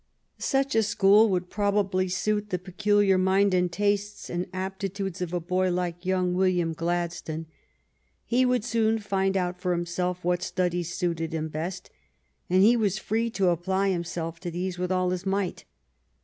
Such a school would probably suit the peculiar mind and tastes and aptitudes of a boy like young William Gladstone. He would soon find out for himself what studies suited him best, and he was free to apply himself to these with all his might.